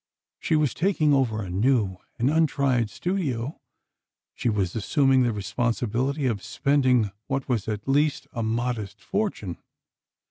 She was taking over a new and untried studio; she was assuming the responsibility of spending what was at least a modest fortune.